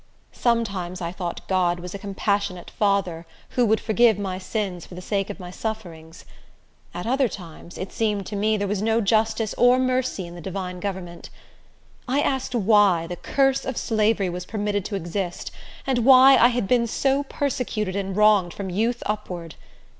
Sometimes I thought God was a compassionate Father, who would forgive my sins for the sake of my sufferings. At other times, it seemed to me there was no justice or mercy in the divine government. I asked why the curse of slavery was permitted to exist, and why I had been so persecuted and wronged from youth upward.